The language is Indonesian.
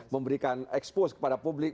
memberikan expose kepada publik